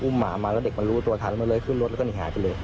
อุ่มหมามาแล้วเด็กลูกตัวขนเริ่มเลยขึ้นรถแล้วหนีหายไปเลย